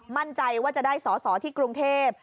มั่นใจว่าจะได้สอสอที่กรุงเทพ